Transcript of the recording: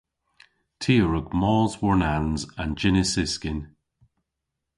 Ty a wrug mos war-nans an jynnys-yskyn.